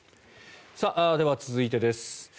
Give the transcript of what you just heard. では、続いてです。